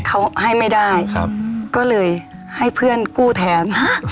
เขาให้ไม่ได้ครับก็เลยให้เพื่อนกู้แทน